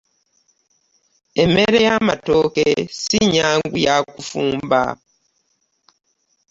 Emmere y'amatooke si nnyangu ya kufumba.